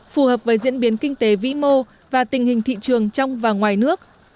phù hợp với diễn biến kinh tế vĩ mô và tình hình thị trường trong và ngoài nước